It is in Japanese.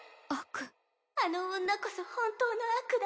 （あの女こそ本当の悪だ。